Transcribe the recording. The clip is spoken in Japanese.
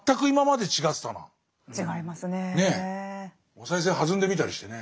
お賽銭はずんでみたりしてね。